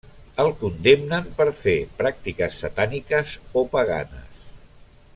El condemnen per fer pràctiques satàniques o paganes.